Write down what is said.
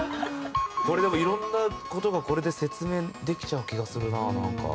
これでも色んな事がこれで説明できちゃう気がするななんか。